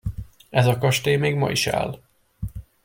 Ez a kastély még ma is áll.